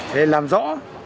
để làm rõ